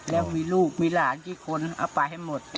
แล้วมีลูกมีหลานกี่คนเอาไปให้หมด